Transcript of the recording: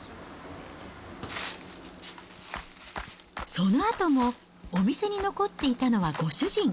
そのあともお店に残っていたのはご主人。